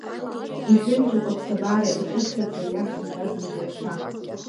Иҳәынҷоуп аԥсабара, иҿыхьҭаӡа иасуеит аӡынтәи аԥша.